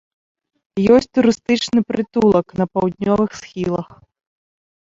Ёсць турыстычны прытулак на паўднёвых схілах.